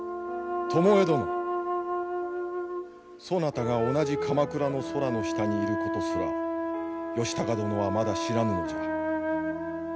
そなたが同じ鎌倉の空の下にいることすら義高殿はまだ知らぬのじゃ。